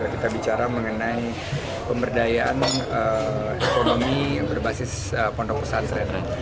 kita bicara mengenai pemberdayaan ekonomi berbasis pondok pesantren